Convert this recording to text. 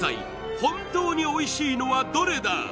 本当においしいのはどれだ！？